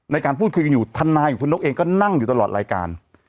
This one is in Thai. ในการพูดคุยกันอยู่ทนายของคุณนกเองก็นั่งอยู่ตลอดรายการ